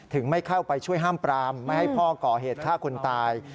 ไม่เข้าไปช่วยห้ามปรามไม่ให้พ่อก่อเหตุฆ่าคนตาย